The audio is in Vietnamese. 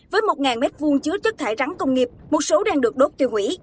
với một m hai chứa chất thải rắn công nghiệp một số đang được đốt tiêu hủy